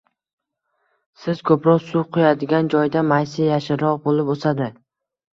Siz ko’proq suv quyadigan joyda maysa yashilroq bo’lib o’sadi